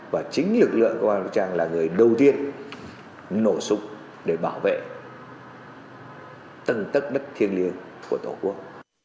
và chính lực lượng công an vũ trang là người đầu tiên nổ súng để bảo vệ tầng tất đất thiêng liêng của tổ quốc